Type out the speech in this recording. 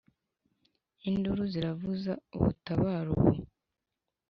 induru ziravuze, ubatabare ubu !